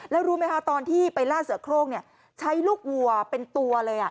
แล้วรู้ไหมคะตอนที่ไปล่าเสือโครงใช้ลูกวัวเป็นตัวเลย